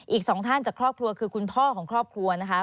อีกสองท่านจากครอบครัวคือคุณพ่อของครอบครัวนะคะ